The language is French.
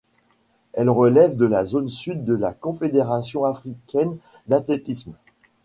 Elle relève de la zone Sud de la Confédération africaine d'athlétisme.